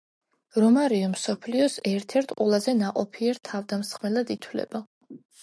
რომარიო მსოფლიოს ერთ-ერთ ყველაზე ნაყოფიერ თავდამსხმელად ითვლება.